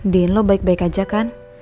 dan lo baik baik aja kan